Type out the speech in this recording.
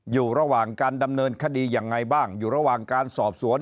อยู่ระหว่างการดำเนินคดียังไงบ้างอยู่ระหว่างการสอบสวน